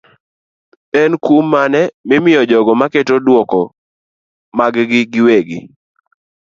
en kum mane ma imiyo jogo maketo duoko margi giwegi.